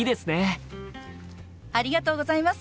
ありがとうございます！